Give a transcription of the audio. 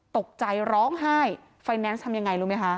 ตกใจร้องไห้ไฟแนนซ์ทำยังไงรู้ไหมคะ